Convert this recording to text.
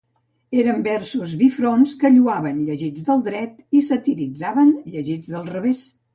Eren versos bifronts que lloaven llegits del dret i satiritzaven llegits del revés.